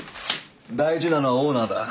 大事なのはオーナーだ。